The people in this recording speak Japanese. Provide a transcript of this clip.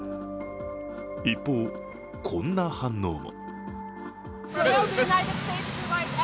一方、こんな反応も。